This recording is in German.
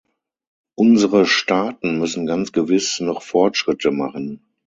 Unsere Staaten müssen ganz gewiss noch Fortschritte machen.